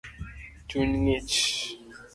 Chuny ngich